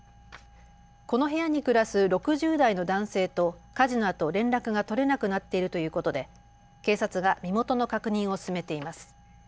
この部屋に暮らす６０代の男性と火事のあと連絡が取れなくなっているということで警察が身元の確認を進めています。